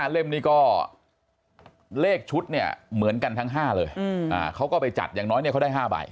เล่มนี้ก็เลขชุดเนี่ยเหมือนกันทั้ง๕เลยเขาก็ไปจัดอย่างน้อยเนี่ยเขาได้๕ใบ